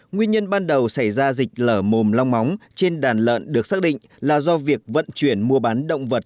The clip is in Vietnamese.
nguyên nhân ban đầu xảy ra dịch lở mồm long móng trên đàn lợn được xác định là do việc vận chuyển mua bán động vật